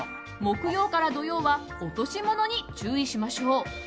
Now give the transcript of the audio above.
木曜から土曜は落とし物に注意しましょう。